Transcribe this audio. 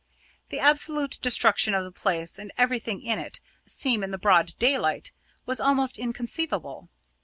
The absolute destruction of the place and everything in it seen in the broad daylight was almost inconceivable.